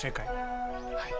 はい。